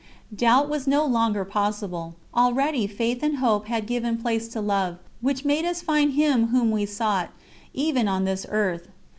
Doubt was no longer possible; already Faith and Hope had given place to Love, which made us find Him whom we sought, even on this earth.